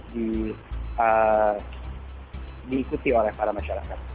diikuti oleh para masyarakat